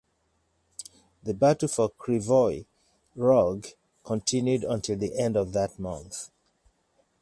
The battle for Krivoi Rog continued until the end of that month.